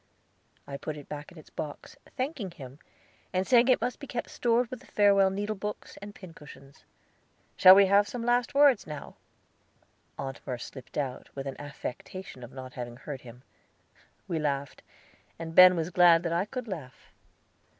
I put it back in its box, thanking him, and saying it must be stored with the farewell needlebooks and pincushions. "Shall we have some last words now?" Aunt Merce slipped out, with an affectation of not having heard him. We laughed, and Ben was glad that I could laugh.